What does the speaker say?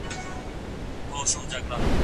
زه باید د خپلو ملګرو سره اړیکه وساتم.